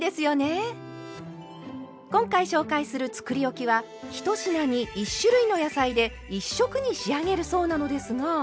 今回紹介するつくりおきは１品に１種類の野菜で１色に仕上げるそうなのですが。